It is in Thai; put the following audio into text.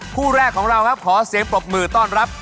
คู่แรกของเราครับขอเสียงปรบมือต้อนรับ